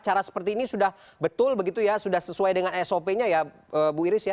cara seperti ini sudah betul begitu ya sudah sesuai dengan sop nya ya bu iris ya